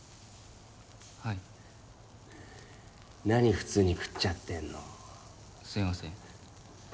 はい何普通に食っちゃってんのすみません